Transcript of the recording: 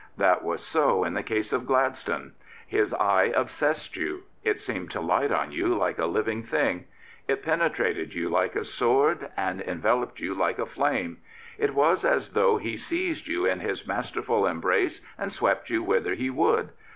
That was so in the case of Gladstone. His eye obsessed you. It seemed to light on you like a living thing. It penetrated you like a sword and enveloped you like a flame. It was as though he seized you in his masterful embrace and swept you whither he would.